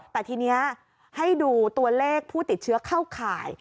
แต่ทีนี้ให้ดูตัวเลขผู้ติดเชื้อเข้าข่าย